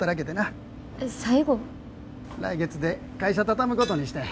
来月で会社畳むことにしたんや。